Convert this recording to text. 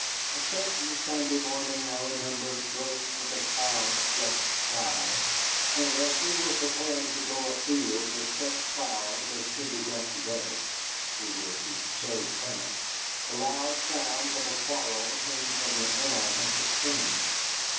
A certain Sunday morning, I remember, broke with a cloud flecked sky, and as we were preparing to go afield with such ploughs as could be got together (we were to sow turnips) the loud sounds of a quarrel came from the elm at the spring.